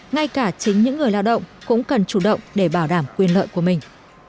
ngay cả chính những người lao động cũng cần chủ động để bảo đảm quyền lợi của mình